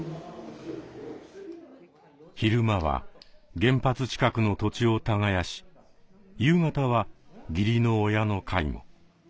昼間は原発近くの土地を耕し夕方は義理の親の介護。